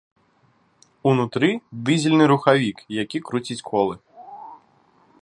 Унутры дызельны рухавік, які круціць колы.